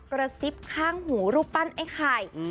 กระซิบข้างหูรูปปั้นไอ้ไข่